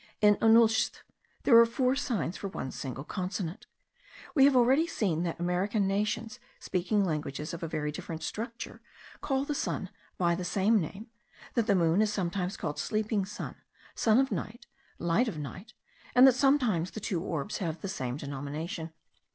In onulszth there are four signs for one single consonant. We have already seen that American nations, speaking languages of a very different structure, call the sun by the same name; that the moon is sometimes called sleeping sun, sun of night, light of night; and that sometimes the two orbs have the same denomination.